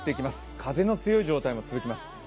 風の強い状態も続きます。